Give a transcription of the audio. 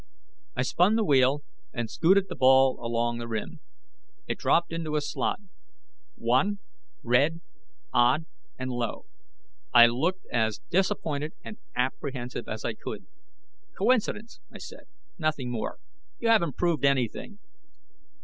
I spun the wheel and scooted the ball along the rim. It dropped into a slot. One, Red, Odd, and Low. I looked as disappointed and apprehensive as I could. "Co incidence," I said. "Nothing more. You haven't proved anything."